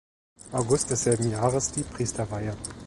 August desselben Jahres die Priesterweihe.